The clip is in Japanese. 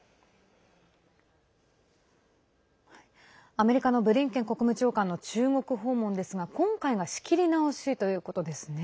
アメリカのブリンケン国務長官の中国訪問ですが今回が仕切り直しということですね。